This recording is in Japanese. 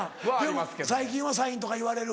最近はサインとか言われる？